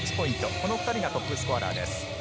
この２人がトップスコアラーです。